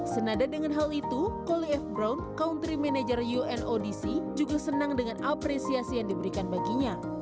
senada dengan hal itu colly f bron country manager unodc juga senang dengan apresiasi yang diberikan baginya